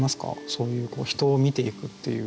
そういう人を見ていくっていう。